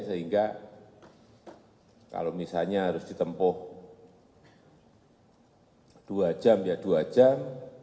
sehingga kalau misalnya harus ditempuh dua jam ya dua jam